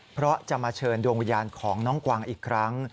เพราะจะมาเชิญดวงวิญญาณของน้องกวางอีกครั้ง